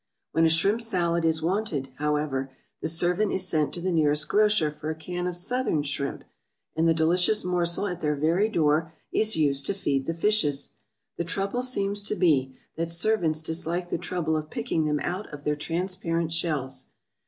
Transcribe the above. When a shrimp salad is wanted, however, the servant is sent to the nearest grocer for a can of Southern shrimp, and the delicious morsel at their very door is used to feed the fishes. The trouble seems to be, that servants dislike the trouble of picking them out of their transparent shells.